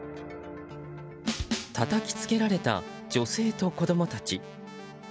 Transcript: たたきつけられた女性と子供たち。